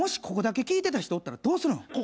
ここだけ聞いてた人おったらどうするん？